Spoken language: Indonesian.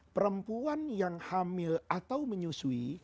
perempuan yang hamil atau menyusui